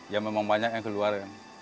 ya memang banyak yang keluar